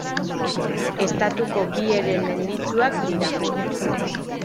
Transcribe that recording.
Estatuko bi heren menditsuak dira.